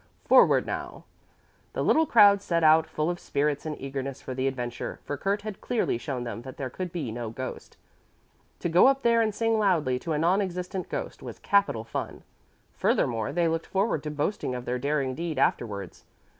Forward now!" The little crowd set out full of spirits and eagerness for the adventure, for Kurt had clearly shown them that there could be no ghost. To go up there and sing loudly to a non existent ghost was capital fun. Furthermore, they looked forward to boasting of their daring deed afterwards.